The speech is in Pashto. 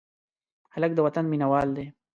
هلک د وطن مینه وال دی.